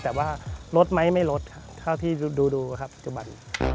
แต่ว่าลดไหมไม่ลดครับเท่าที่ดูครับจุบัน